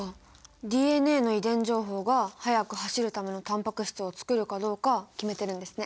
ＤＮＡの遺伝情報が速く走るためのタンパク質をつくるかどうか決めてるんですね。